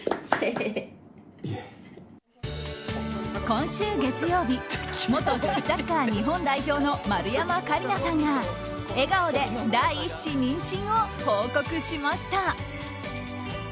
今週月曜日元女子サッカー日本代表の丸山桂里奈さんが笑顔で第１子妊娠を報告しました。